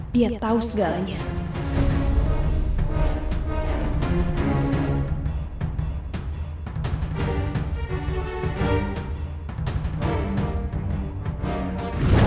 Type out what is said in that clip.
dia tahu segalanya